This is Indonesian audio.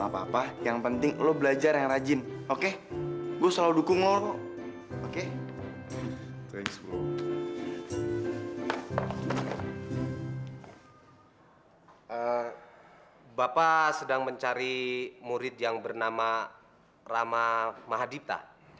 bapak sedang mencari murid yang bernama rama mahadipta